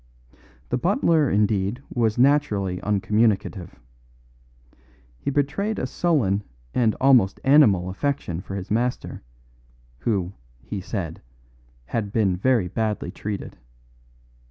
The butler indeed was naturally uncommunicative. He betrayed a sullen and almost animal affection for his master; who, he said, had been very badly treated.